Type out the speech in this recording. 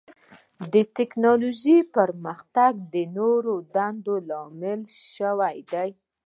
د ټکنالوجۍ پرمختګ د نوو دندو لامل شوی دی.